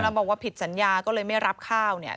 แล้วบอกว่าผิดสัญญาก็เลยไม่รับข้าวเนี่ย